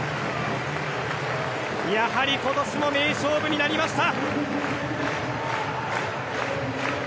やはり今年も名勝負になりました。